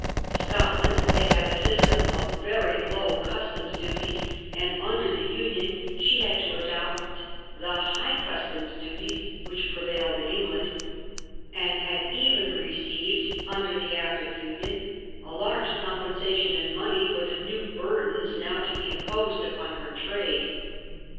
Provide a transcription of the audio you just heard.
Scotland had had a system of very low customs duties, and under the union she had to adopt the high customs duties which pre vailed in England, and had even received under the act of union a large compensation in money for the new burdens now to be imposed upon her trade.